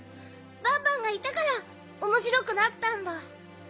バンバンがいたからおもしろくなったんだ。